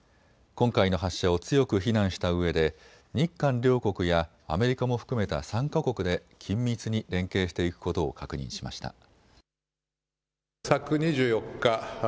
今回の発射を強く非難したうえで日韓両国やアメリカも含めた３か国で緊密に連携していくことを確認しました。